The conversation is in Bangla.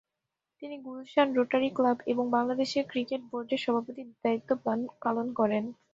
তিনি গুলশান রোটারি ক্লাব এবং বাংলাদেশ ক্রিকেট বোর্ডের সভাপতির দায়িত্ব পালন করেন।